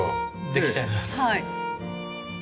できちゃいます。